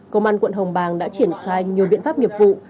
công an quận hồng bàng đã triển khai nhiều biện pháp nghiệp vụ